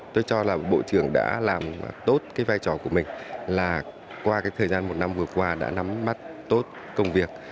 tôi cho là bộ trưởng đã làm tốt vai trò của mình qua thời gian một năm vừa qua đã nắm mắt tốt công việc